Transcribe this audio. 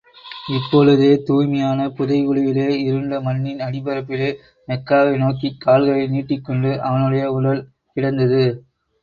இப்பொழுதோ, தூய்மையான புதைகுழியிலே இருண்ட மண்ணின் அடிப்பரப்பிலே, மெக்காவை நோக்கிக் கால்களை நீட்டிக் கொண்டு அவனுடைய உடல் கிடந்தது.